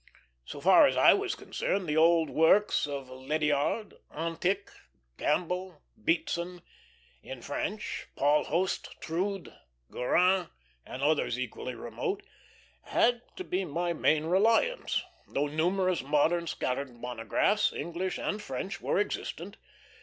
So far as I was concerned, the old works of Lediard, Entick, Campbell, Beatson, in French, Paul Hoste, Troude, Guérin, and others equally remote, had to be my main reliance; though numerous modern scattered monographs, English and French, were existent.